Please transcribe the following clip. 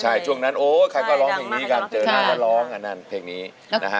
ใช่ช่วงนั้นโอ้ใครก็ร้องเพลงนี้กันเจอหน้าก็ร้องอันนั้นเพลงนี้นะฮะ